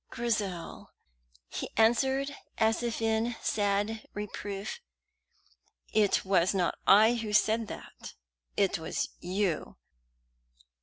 "Grizel!" he answered, as if in sad reproof; "it was not I who said that it was you.